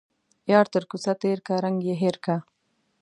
يار تر کوڅه تيرکه ، رنگ يې هير که.